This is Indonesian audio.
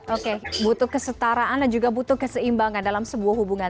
oke butuh kesetaraan dan juga butuh keseimbangan dalam sebuah hubungan